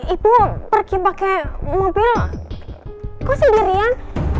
ibu pergi pakai mobil kok sendirian